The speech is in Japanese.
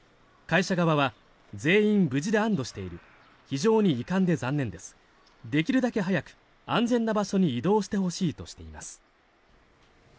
会社側は全員無事で安どしている非常に遺憾で残念ですできるだけ早く安全な場所に移動してほしいとしています。